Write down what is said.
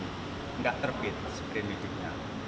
tidak terbit sprenidiknya